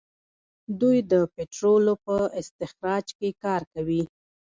دوی د پټرولو په استخراج کې کار کوي.